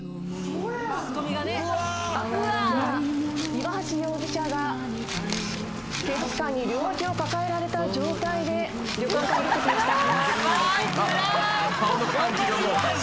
岩橋容疑者が警察官に両脇を抱えられた状態で旅館から出てきました。